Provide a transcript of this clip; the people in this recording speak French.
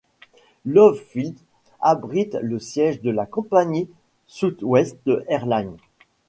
Love Field abrite le siège de la compagnie Southwest Airlines.